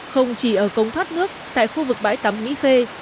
không chỉ ở cống thoát nước tại khu vực bãi tắm mỹ khê